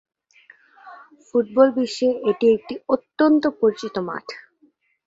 Football বিশ্বে এটি একটি অত্যন্ত পরিচিত মাঠ।